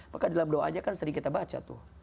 maka dalam doanya kan sering kita baca tuh